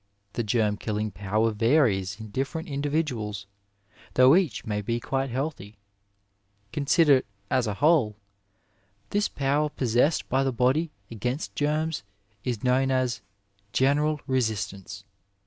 The germ killing power varies in different individuals, though each may be quite healthy. Considered as a whole, this power possessed by the body against germs is known as " general resistance."